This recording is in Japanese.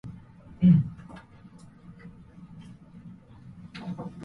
彼は今吾輩の輪廓をかき上げて顔のあたりを色彩っている